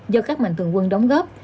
do các mạnh thường quân đóng góp